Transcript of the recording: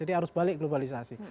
jadi harus balik globalisasi